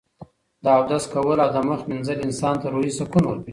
د اودس کول او د مخ مینځل انسان ته روحي سکون ورکوي.